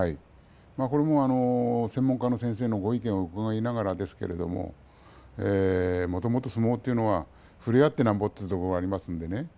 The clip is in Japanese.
これも専門家の先生のご意見を伺いながらですけれどももともと相撲というのは触れ合ってなんぼというところがありますのでね